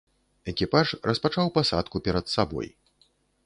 Экіпаж распачаў пасадку перад сабой.